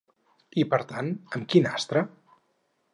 I, per tant, amb quin astre?